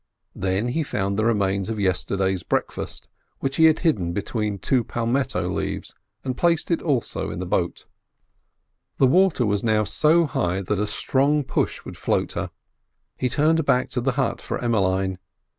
Then he found the remains of yesterday's breakfast, which he had hidden between two palmetto leaves, and placed it also in the boat. The water was now so high that a strong push would float her. He turned back to the hut for Emmeline.